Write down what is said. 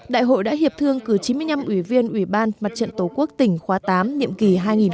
đại hội đã hiệp thương cử chín mươi năm ủy viên ủy ban mặt trận tổ quốc tỉnh khóa tám nhiệm kỳ hai nghìn một mươi chín hai nghìn hai mươi bốn